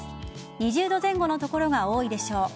２０度前後の所が多いでしょう。